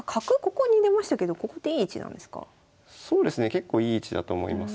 結構いい位置だと思います。